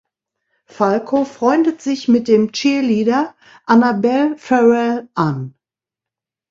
Falco freundet sich mit dem Cheerleader Annabelle Farrell an.